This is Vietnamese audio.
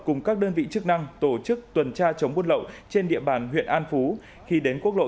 cùng các đơn vị chức năng tổ chức tuần tra chống buôn lậu trên địa bàn huyện an phú khi đến quốc lộ